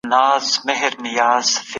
کوم معلومات ذهن ته نوي هیلي ورکوي؟